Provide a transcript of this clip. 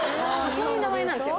そういう名前なんですよ